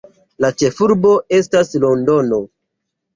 La ĉefurbo estas Londono.